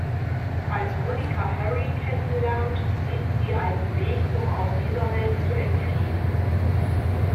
Als Monika Harry kennenlernt, sieht sie einen Weg, um aus dieser Welt zu entfliehen.